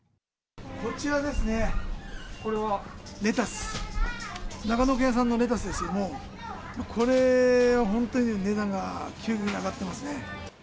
こちらですね、これは、レタス、長野県産のレタスですけども、これは本当に値段が急激に上がってますね。